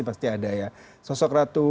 pasti ada ya sosok ratu